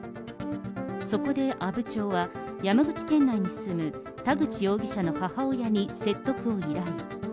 そこで阿武町は、山口県内に住む田口容疑者の母親に説得を依頼。